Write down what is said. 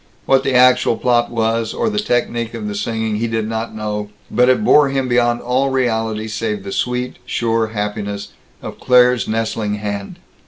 What the actual plot was, or the technique of the singing, he did not know, but it bore him beyond all reality save the sweet, sure happiness of Claire's nestling hand.